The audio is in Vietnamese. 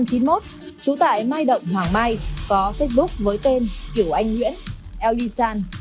chú tại mai động hoàng mai có facebook với tên kiểu anh nguyễn l d san